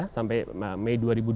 sampai mei dua ribu dua puluh